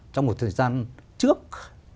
trong một thời gian trước